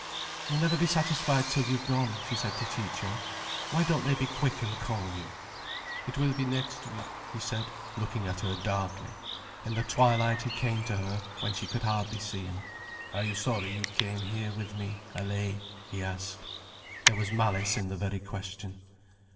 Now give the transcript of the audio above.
"You'll never be satisfied till you've gone," she said to Ciccio. "Why don't they be quick and call you?" "It will be next week," he said, looking at her darkly. In the twilight he came to her, when she could hardly see him. "Are you sorry you came here with me, Allaye?" he asked. There was malice in the very question.